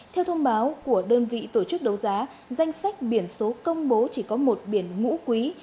theo thông báo của đơn vị tổ chức đấu giá danh sách biển số công bố chỉ có một biển ngũ quý